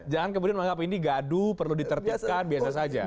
jangan kemudian menganggap ini gaduh perlu ditertibkan biasa saja